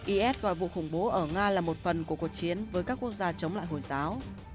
is và vụ khủng bố ở nga là một phần của cuộc chiến với các quốc gia chống lại hồi giáo